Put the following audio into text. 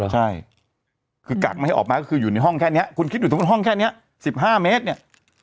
ใช่คือกักไม่ให้ออกมาก็คืออยู่ในห้องแค่นี้คุณคิดอยู่ตรงห้องแค่นี้๑๕เมตรเนี่ย